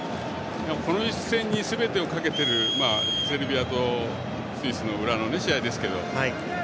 この一戦にすべてをかけているセルビアとスイスの裏の試合ですけど。